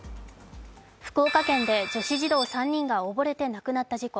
福岡県で女子児童３人が溺れて亡くなった事故。